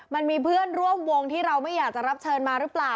มันมีเพื่อนร่วมวงที่เราไม่อยากจะรับเชิญมาหรือเปล่า